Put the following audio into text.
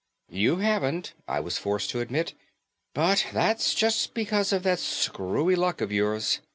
"You haven't," I was forced to admit, "but that's just because of that screwy luck of yours.